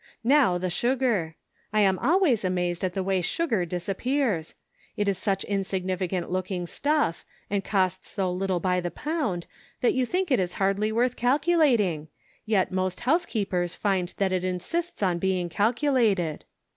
Now the sugar. I'm always amazed at the way sugar disappears ! It is such insignificant looking stuff, and costs so little by the pound, that you think it is hardly worth calculating ; yet most housekeepers find that it insists on being cal culated."